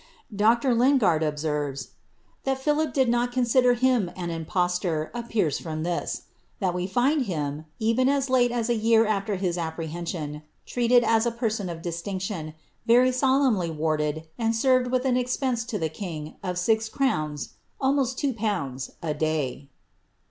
Dr. Lingard observes, ^^ that Philip did not consider him an impostor, appears from this, — that we find him, even as late as a year afler his apprehension, treated as a person of distinction, very solemnly warded, and served with an expense to the king of six crowns (almost two pounds) a day."